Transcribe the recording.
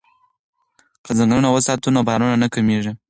که ځنګلونه وساتو نو بارانونه نه کمیږي.